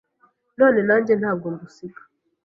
none nanjye ntabwo ngusiga